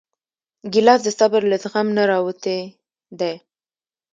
ګیلاس د صبر له زغم نه راوتی دی.